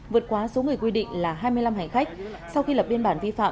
vượt qua số người quy định là hai mươi năm hành khách